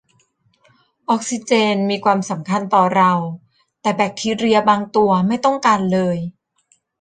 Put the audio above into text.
ออกซิเจนมีความสำคัญต่อเรา แต่แบคทีเรียบางตัวไม่ต้องการเลย